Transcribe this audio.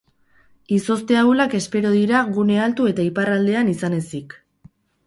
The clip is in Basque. Izozte ahulak espero dira gune altu eta iparraldean izan ezik.